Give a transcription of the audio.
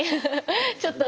ちょっとね。